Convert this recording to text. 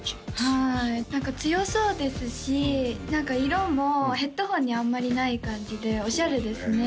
はい何か強そうですし何か色もヘッドホンにあんまりない感じでオシャレですね